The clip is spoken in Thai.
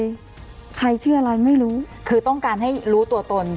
ใครชื่ออะไรไม่รู้คือต้องการให้รู้ตัวตน